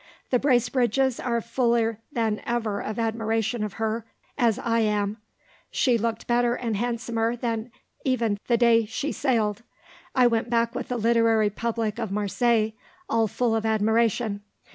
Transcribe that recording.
The Bracebridges are fuller than ever of admiration of her, as I am. She looked better and handsomer than even the day she sailed. I went back with the literary public of Marseilles, all full of admiration.